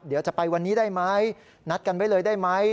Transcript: เดี๋ยวจะไปวันนี้ได้ไหมนัดกันไว้เลยได้ไหม